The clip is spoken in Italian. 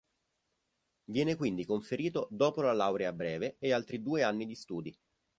Viene quindi conferito dopo la laurea breve e altri due anni di studi.